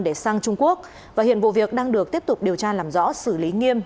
để sang trung quốc và hiện vụ việc đang được tiếp tục điều tra làm rõ xử lý nghiêm